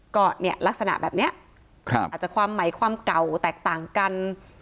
ก็เนี่ยลักษณะแบบนี้อาจจะความหมายความเก่าแตกต่างกัน